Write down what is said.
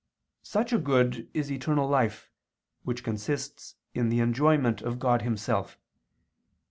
Such a good is eternal life, which consists in the enjoyment of God Himself.